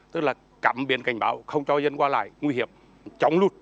tức là cắm biển cảnh báo không cho dân qua lại nguy hiểm chống lụt